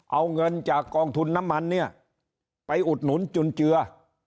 เอาเงินจากกองทุนน้ำมันเนี่ยไปอุดหนุนจุนเจือ